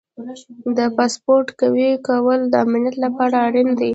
د پاسورډ قوي کول د امنیت لپاره اړین دي.